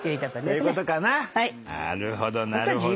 なるほどなるほど。